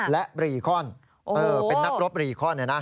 และรีคอนเป็นนักรบรีคอนเลยนะ